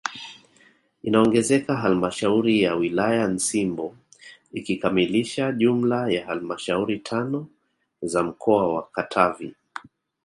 Inaongezeka halmashauri ya wilaya Nsimbo ikikamilisha jumla ya halmashauri tano za mkoa wa Katavi